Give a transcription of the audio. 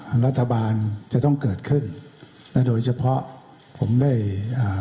รัฐบาลจะต้องเกิดขึ้นและโดยเฉพาะผมได้อ่า